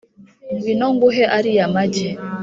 ngwino nguhe ariya magi